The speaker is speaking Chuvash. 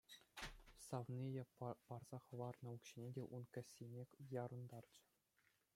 Савнийӗ парса хӑварнӑ укҫине те ун кӗсйине ярӑнтарчӗ.